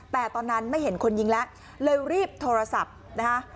แต่ตอนนั้นไม่เห็นคนยิงแล้วเลยรีบโทรศัพท์นะคะ